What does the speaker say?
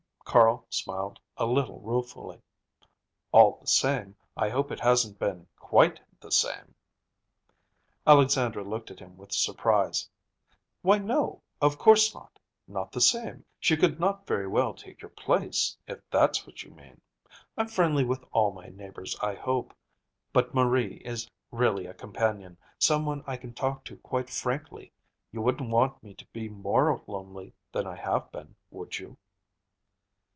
Carl smiled a little ruefully. "All the same, I hope it hasn't been quite the same." Alexandra looked at him with surprise. "Why, no, of course not. Not the same. She could not very well take your place, if that's what you mean. I'm friendly with all my neighbors, I hope. But Marie is really a companion, some one I can talk to quite frankly. You wouldn't want me to be more lonely than I have been, would you?"